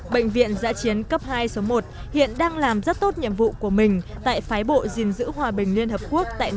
bệnh viện giã chiến cấp hai số một hiện đang làm rất tốt nhiệm vụ của mình tại phái bộ gìn giữ hòa bình liên hợp quốc tại